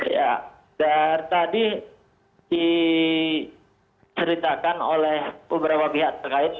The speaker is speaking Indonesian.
ya dari tadi diceritakan oleh beberapa pihak terkait